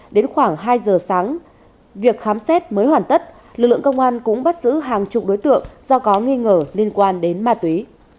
đến khoảng hai giờ sáng việc khám xét mới hoàn tất lực lượng công an cũng bắt giữ hàng chục đối tượng do có nghi ngờ liên quan đến ma túy